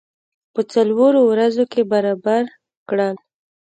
په څلورو ورځو کې برابر کړل.